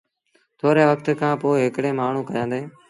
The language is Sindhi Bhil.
ٿوري وکت کآݩ پو هڪڙي مآڻهوٚݩ ڪيآندي۔